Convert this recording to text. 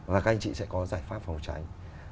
các anh chị sẽ có giải pháp phòng tránh